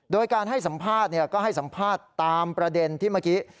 โดยการให้สัมภาษณ์ก็ให้สัมภาษณ์ตามประเด็นที่เมื่อกี้